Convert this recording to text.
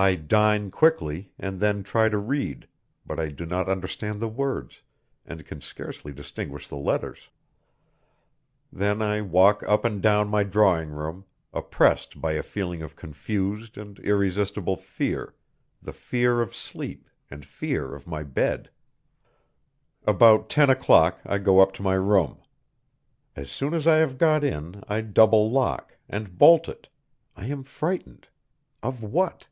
I dine quickly, and then try to read, but I do not understand the words, and can scarcely distinguish the letters. Then I walk up and down my drawing room, oppressed by a feeling of confused and irresistible fear, the fear of sleep and fear of my bed. About ten o'clock I go up to my room. As soon as I have got in I double lock, and bolt it: I am frightened of what?